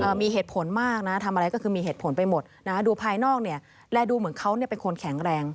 มีเหตุผลมากนะทำอะไรก็คือมีเหตุผลไปหมดนะฮะดูภายนอกเนี่ยและดูเหมือนเขาเนี่ยเป็นคนแข็งแรง